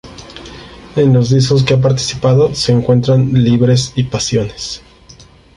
En los discos que ha participado se encuentran: Libres y Pasiones.